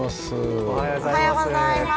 おはようございます。